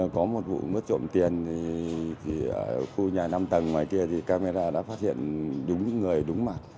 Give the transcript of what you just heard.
có một vụ mất trộm tiền thì ở khu nhà năm tầng ngoài kia thì camera đã phát hiện đúng những người đúng mà